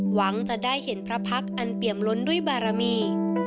หวังจะได้เห็นพระพักษ์อันเปี่ยมล้นด้วยบารมี